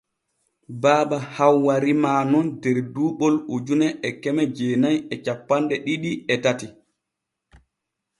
Baba Hawwa rimaa nun der duuɓol ujune e keme jeenay e cappanɗe ɗiɗi e tati.